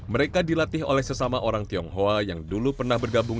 mereka dilatih oleh sesama orang tionghoa yang dulu pernah bergabung